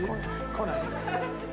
来ない？